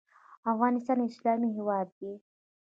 افغانستان یو اسلامي هیواد دی.